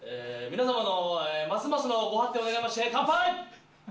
皆様のますますのご発展を願いまして、乾杯。